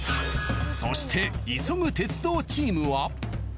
そして急ぐ鉄道チームは。